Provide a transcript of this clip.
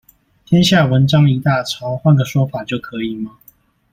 天下文章一大抄，換個說法就可以嗎？